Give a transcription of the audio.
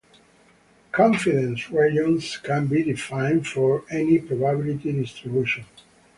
Confidence regions can be defined for any probability distribution.